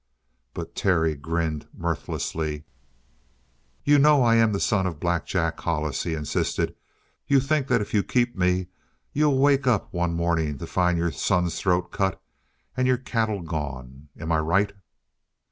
But Terry grinned mirthlessly. "You know I'm the son of Black Jack Hollis," he insisted. "You think that if you keep me you'll wake up some morning to find your son's throat cut and your cattle gone. Am I right?"